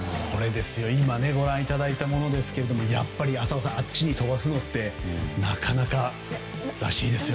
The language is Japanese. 今ご覧いただいたものですが浅尾さん、あっちに飛ばすのってなかなからしいですよ。